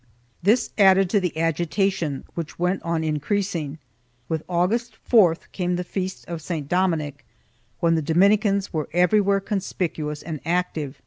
1 , This added to the agitation which went on increasing. With /August 4th came the feast of St. Dominic, when the Dominicans were everywhere conspicuous and active.